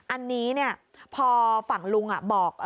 อันนี้เนี่ยพอฝั่งลุงบอก